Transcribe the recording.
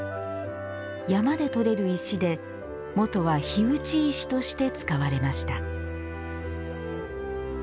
山で採れる石で、もとは火打ち石として使われました。